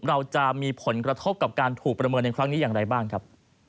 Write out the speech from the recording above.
เราจะมีผลกระทบกับการถูกประเมินในครั้งนี้อย่างไรบ้างครับ